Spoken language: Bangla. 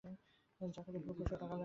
জাকারিয়া ভুরু কুঁচকে তাকালেন।